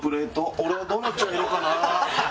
俺はどの茶色かな？